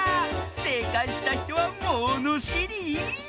せいかいしたひとはものしり！